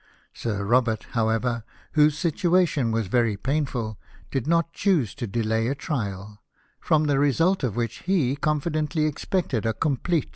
Sir Robert, however, whose situation was very painful, did not choose to delay a trial, from the result of which he confidently expected a complete BEFORE THE BATTLE.